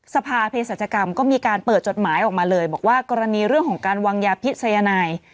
สภาเพศรัชกรรมก็มีการเปิดจดหมายออกมาเลยบอกว่ากรณีเรื่องของการวางยาพิษยนาย